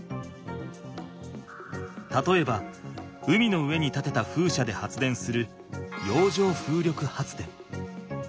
たとえば海の上にたてた風車で発電する洋上風力発電。